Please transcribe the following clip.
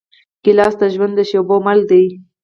ګیلاس د ژوند د شېبو مل دی.